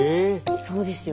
そうですよ。